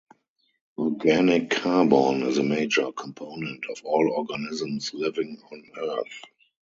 Organic carbon is a major component of all organisms living on earth.